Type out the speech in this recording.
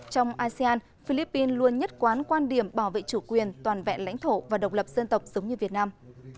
trong asean philippines luôn nhất quán quan điểm bảo vệ chủ quyền toàn vẹn lãnh thổ và độc lập dân tộc giống như việt nam